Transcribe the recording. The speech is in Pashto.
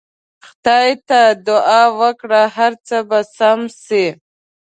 خدای ته دعا وکړه هر څه به سم سي.